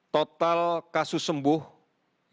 total kasus sembuh yang kita dapatkan